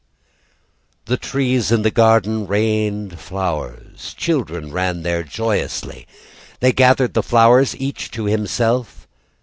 The trees in the garden rained flowers. Children ran there joyously. They gathered the flowers Each to himself.